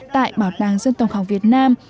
tại bảo tàng dân tộc học việt nam